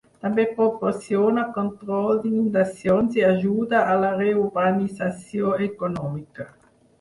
També proporciona control d'inundacions i ajuda a la reurbanització econòmica.